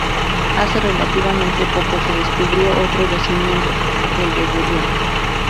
Hace relativamente poco se descubrió otro yacimiento, el de Gurión.